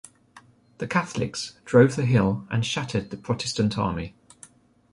The Catholics drove the hill and shattered the Protestant army.